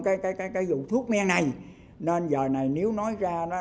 tý kếtatre và cũng nó